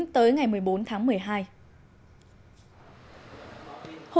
hội trợ lần này đã diễn ra trong các hội thảo